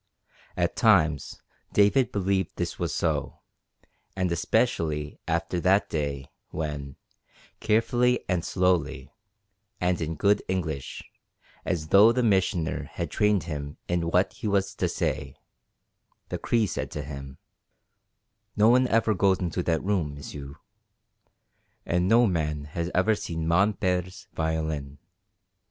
At times David believed this was so, and especially after that day when, carefully and slowly, and in good English, as though the Missioner had trained him in what he was to say, the Cree said to him: "No one ever goes into that room, m'sieu. And no man has ever seen mon Père's violin."